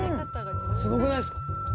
すごくないですか？